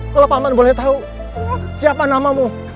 kalau paman boleh tahu siapa namamu